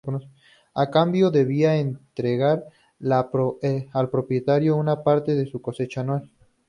A cambio, debía entregar al propietario una parte de su cosecha anual.